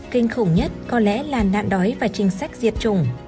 kinh khủng nhất có lẽ là nạn đói và chính sách diệt chủng